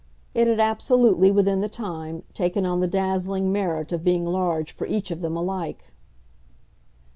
It had absolutely, within the time, taken on the dazzling merit of being large for each of them alike.